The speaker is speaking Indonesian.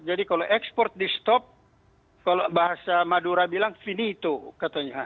jadi kalau ekspor di stop kalau bahasa madura bilang finito katanya